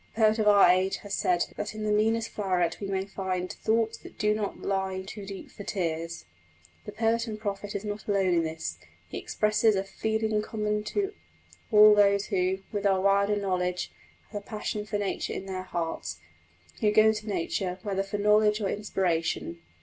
A poet of our age has said that in the meanest floweret we may find "thoughts that do often lie too deep for tears." The poet and prophet is not alone in this; he expresses a feeling common to all of those who, with our wider knowledge, have the passion for nature in their hearts, who go to nature, whether for knowledge or inspiration.